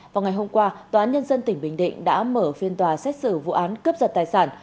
vào ngày hôm qua tòa án nhân dân tỉnh bình định đã mở phiên tòa xét xử vụ án cướp giật tài sản